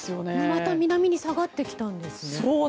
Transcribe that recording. また南に下がってきたんですね。